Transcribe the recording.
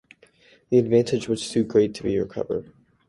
The advantage was too great to be recovered.